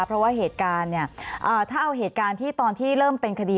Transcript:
เพราะว่าเหตุการณ์เนี่ยถ้าเอาเหตุการณ์ที่ตอนที่เริ่มเป็นคดี